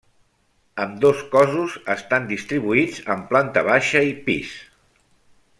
Ambdós cossos estan distribuïts en planta baixa i pis.